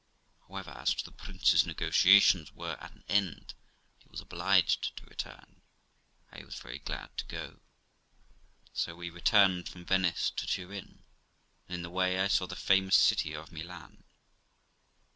However, as the prince's negotiations were at an end, and he was obliged to return, I was very glad to go; so we returned from Venice to Turin, and in the way I saw the famous city of Milan.